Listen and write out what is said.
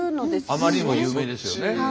あまりにも有名ですよね。